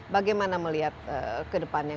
bagaimana melihat ke depannya